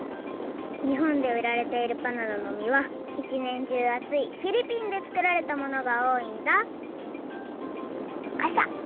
にほんでうられているバナナの実はいちねんじゅうあついフィリピンで作られたものがおおいんだかさ！